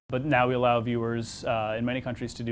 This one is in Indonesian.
mereka menulis apa saja yang mereka inginkan menonton